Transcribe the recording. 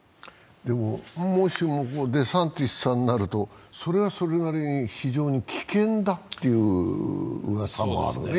もしもデサンティスさんになるとそれはそれなりに非常に危険だといううわさもあるね。